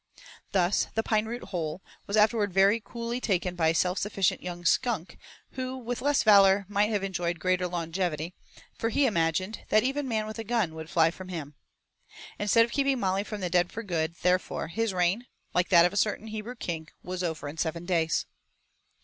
This, the pine root hole, was afterward very coolly taken by a self sufficient young skunk who with less valor might have enjoyed greater longevity, for he imagined that even man with a gun would fly from him. Instead of keeping Molly from the den for good, therefore, his reign, like that of a certain Hebrew king, was over in seven days.